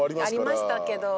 ありましたけど。